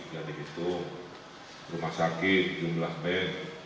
sudah dihitung rumah sakit jumlah band